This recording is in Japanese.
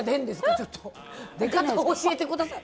ちょっと出方教えてください。